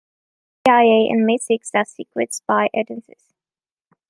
The CIA and MI-Six are secret spy agencies.